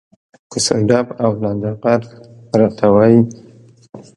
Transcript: کوڅه ډب او لنډه غر راته وایي.